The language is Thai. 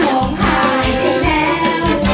ร้องไข่ได้เร็ว